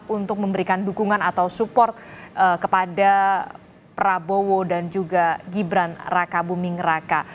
untuk memberikan dukungan atau support kepada prabowo dan juga gibran raka buming raka